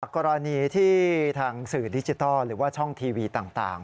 กรณีที่ทางสื่อดิจิทัลหรือว่าช่องทีวีต่าง